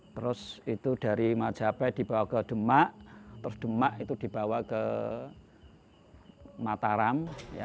terus itu dari majapahi dibawa ke demak terus demak itu dibawa ke mataram